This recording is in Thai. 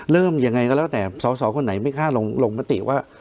เริ่มยังไงก็แล้วแต่สาวคนไหนไม่ค่าลงประติว่า